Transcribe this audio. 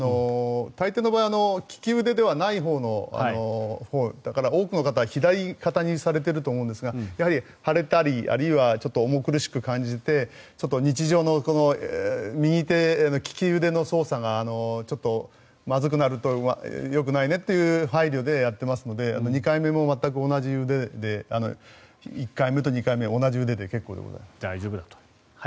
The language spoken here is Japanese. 大抵の場合利き腕ではないほう大体の方は左肩にしていると思うんですがやはり腫れたりあるいはちょっと重苦しく感じて日常の利き腕の操作がちょっとまずくなるとよくないねっていう配慮でやっていますので２回目も全く同じ腕で１回目と２回目は大丈夫だと。